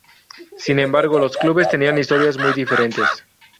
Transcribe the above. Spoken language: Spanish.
Sin embargo, los clubes tenían historias muy diferentes.